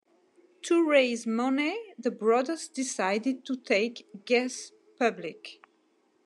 To raise money, the brothers decided to take Guess public.